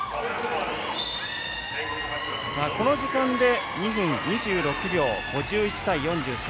この時間で２分２６秒５１対４３。